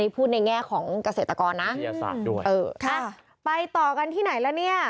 ไปต่อกันที่ไหนแล้วเนี่ย